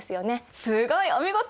すごいお見事！